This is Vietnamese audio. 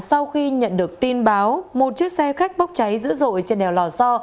sau khi nhận được tin báo một chiếc xe khách bốc cháy dữ dội trên đèo lò so